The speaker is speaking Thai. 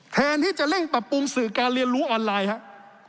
แทนที่จะเร่งปรับปรุงสื่อการเรียนรู้ออนไลน์ครับ